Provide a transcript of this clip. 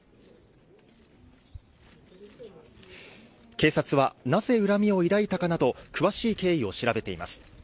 警察はなぜ恨みを抱いたかなど詳しい経緯を調べています。